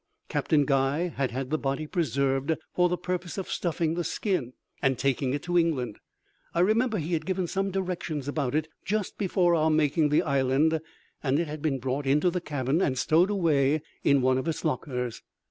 Captain Guy had had the body preserved for the purpose of stuffing the skin and taking it to England. I remember he had given some directions about it just before our making the island, and it had been brought into the cabin and stowed away in one of the lockers.